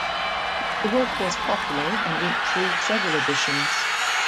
The work was popular and went through several editions.